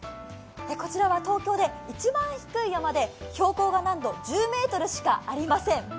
こちらは東京で一番低い山で標高がなんと１０ｍしかありません。